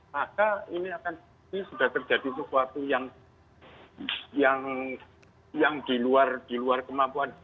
maka ini akan sudah terjadi sesuatu yang diluar kemampuan